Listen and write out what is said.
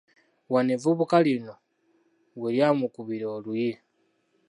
Wano evvubuka lino we lyamukubira oluyi.